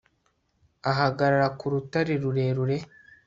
ahagarara ku rutare rurerure